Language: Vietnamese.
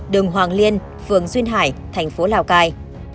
đường hoàng liên phường duyên hải thành phố lào cai